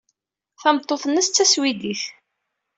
Tameṭṭut-nnes d taswidit.